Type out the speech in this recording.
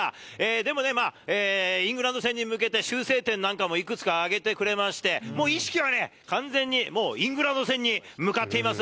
でもね、イングランド戦に向けて、修正点なんかもいくつか挙げてくれまして、もう意識はね、完全にもう、イングランド戦に向かっています。